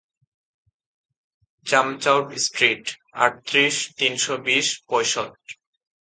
চামচাওড street, আটত্রিশ, তিনশ বিশ পয়সট